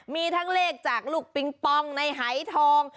มีทั้งเลขจากลูกปิงปองในหายทอง